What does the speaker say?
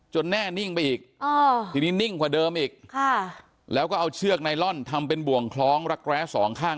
แน่นิ่งไปอีกทีนี้นิ่งกว่าเดิมอีกแล้วก็เอาเชือกไนลอนทำเป็นบ่วงคล้องรักแร้สองข้าง